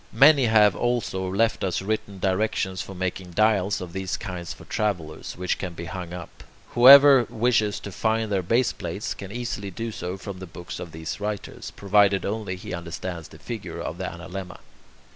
Many have also left us written directions for making dials of these kinds for travellers, which can be hung up. Whoever wishes to find their baseplates, can easily do so from the books of these writers, provided only he understands the figure of the analemma.